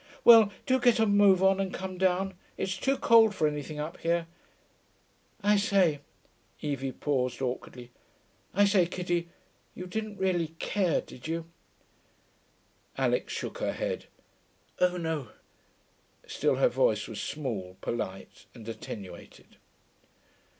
'Well, do get a move on and come down. It's too cold for anything up here.... I say' Evie paused awkwardly ' I say, kiddie, you didn't really care, did you?' Alix shook her head. 'Oh no.' Still her voice was small, polite, and attenuated.